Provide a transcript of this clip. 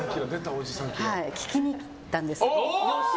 聞きに行ったんです。